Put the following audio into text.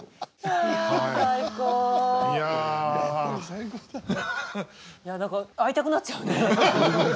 いや何か会いたくなっちゃうね。